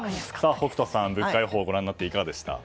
北斗さん、物価予報ご覧になっていかがでした？